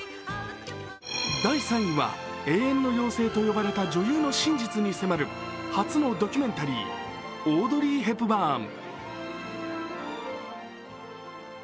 第３位は、永遠の妖精と呼ばれた女優の真実に迫る初のドキュメンタリー、「オードリー・ヘプバーン」。